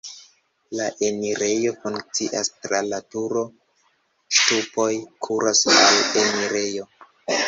La enirejo funkcias tra la turo, ŝtupoj kuras al la enirejo.